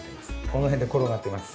この辺で転がってます。